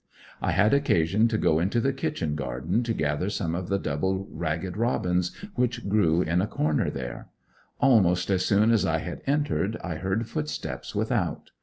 I had occasion to go into the kitchen garden to gather some of the double ragged robins which grew in a corner there. Almost as soon as I had entered I heard footsteps without.